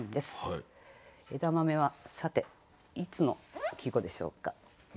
枝豆はさていつの季語でしょうか？